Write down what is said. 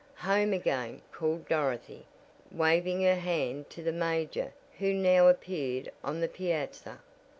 "Home again," called Dorothy, waving her hand to the major who now appeared on the piazza.